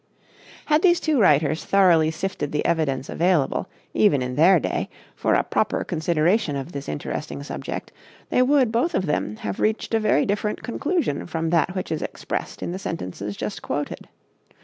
Had these two writers thoroughly sifted the evidence available, even in their day, for a proper consideration of this interesting subject, they would, both of them, have reached a very different conclusion from that which is expressed in the sentences just quoted.